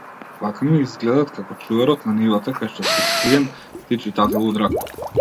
Вака ми излгедат како чуварот на нивата кај шо си скриен ти читателу драг.